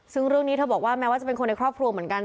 ซึ่งเรื่องนี้เธอบอกว่าแม้ว่าจะเป็นคนในครอบครัวเหมือนกัน